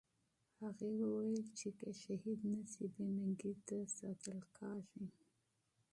هغې وویل چې که شهید نه سي، بې ننګۍ ته ساتل کېږي.